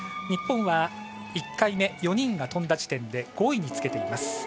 日本は１回目４人が飛んだ時点で５位につけています。